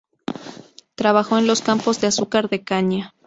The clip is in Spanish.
Trabajó en los campos de azúcar de caña.